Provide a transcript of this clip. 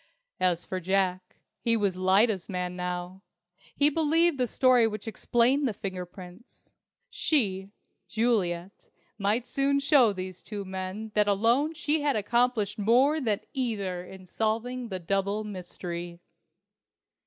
As for Jack, he was Lyda's man now! He believed the story which explained the fingerprints. She, Juliet, might soon show these two men that alone she had accomplished more than either in solving the double mystery.